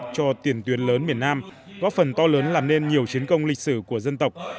cho tiền tuyến lớn miền nam góp phần to lớn làm nên nhiều chiến công lịch sử của dân tộc